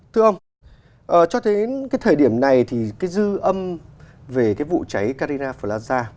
thưa ông cho đến thời điểm này thì dư âm về vụ cháy carina plaza